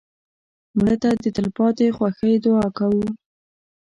مړه ته د تلپاتې خوښۍ دعا کوو